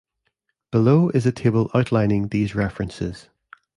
Below is a table outlining these references.